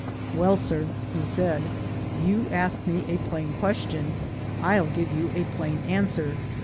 "Well, sir," he said, "you ask me a plain question, I'll give you a plain answer.